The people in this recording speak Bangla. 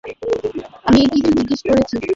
আমি কিছু জিজ্ঞেস করেছি।